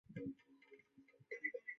巴德孔勒潘。